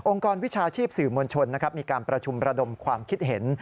กรวิชาชีพสื่อมวลชนนะครับมีการประชุมระดมความคิดเห็น